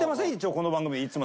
この番組でいつも。